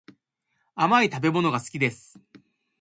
甘い食べ物が好きです